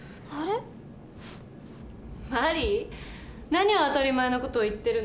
何を当たり前の事を言ってるの？